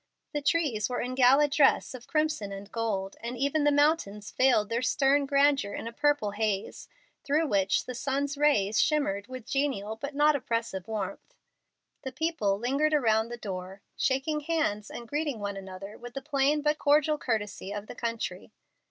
The trees were in gala dress of crimson and gold, and even the mountains veiled their stern grandeur in a purple haze, through which the sun's rays shimmered with genial but not oppressive warmth. The people lingered around the door, shaking hands and greeting one another with the plain but cordial courtesy of the country.